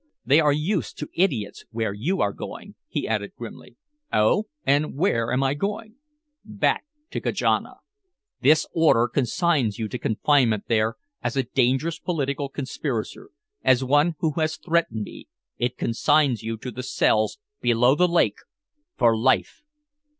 They are used to idiots where you are going," he added grimly. "Oh! And where am I going?" "Back to Kanaja. This order consigns you to confinement there as a dangerous political conspirator, as one who has threatened me it consigns you to the cells below the lake for life!"